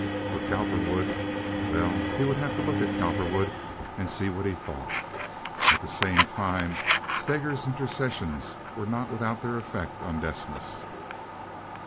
For Cowperwood—well, he would have to look at Cowperwood and see what he thought. At the same time, Steger's intercessions were not without their effect on Desmas.